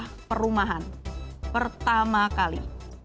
dan ini adalah perumahan pertama kali